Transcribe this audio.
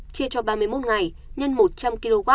hai mươi bốn chia cho ba mươi một ngày nhân một trăm linh kw